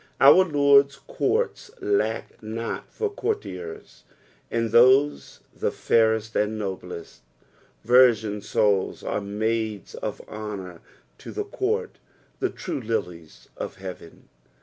Our Ixird'a courts lack not for courtiers, and those the fairest and noblest. Virgin souls are maids of honour to the court, the true lilies of heaven.